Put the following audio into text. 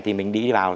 thì mình đi vào